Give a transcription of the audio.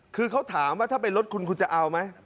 คือเขาถามว่าถ้าเป็นรถคุณคุณจะเอาไหม